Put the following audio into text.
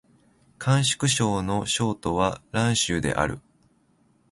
甘粛省の省都は蘭州である